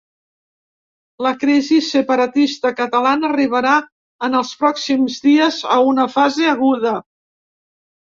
La crisi separatista catalana arribarà en els pròxims dies a una fase aguda.